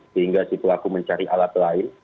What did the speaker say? sehingga si pelaku mencari alat lain